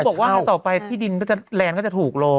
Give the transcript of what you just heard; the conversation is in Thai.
เขาเลยบอกว่าถ้าต่อไปที่ดินแลนก็จะถูกลง